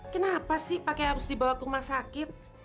kenapa sih pakai hapus dibawah rumah sakit